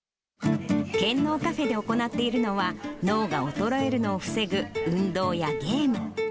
健脳カフェで行っているのは、脳が衰えるのを防ぐ運動やゲーム。